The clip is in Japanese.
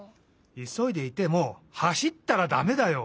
いそいでいてもはしったらだめだよ。